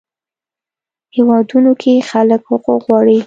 هیوادونو کې خلک حقوق غواړي.